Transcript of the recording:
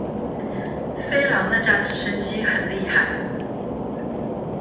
飛狼那架直升機很厲害